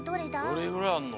どれぐらいあんの？